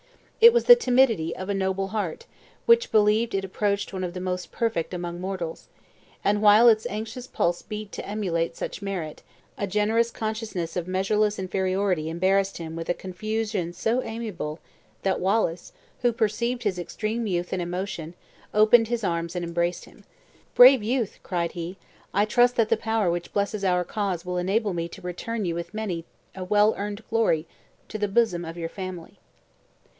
It was the timidity of a noble heart, which believed it approached one of the most perfect among mortals; and while its anxious pulse beat to emulate such merit, a generous consciousness of measureless inferiority embarassed him with a confusion so amiable, that Wallace, who perceived his extreme youth and emotion, opened his arms and embraced him. "Brave youth," cried he, "I trust that the power which blesses our cause will enable me to return you with many a well earned glory, to the bosom of your family!"